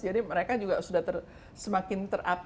jadi mereka juga sudah semakin terupdate